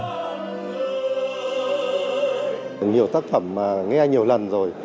nhiều tác phẩm nghe nhiều lần rồi